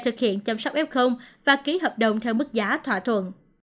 thực hiện chăm sóc f và ký hợp đồng theo mức giá thỏa thuận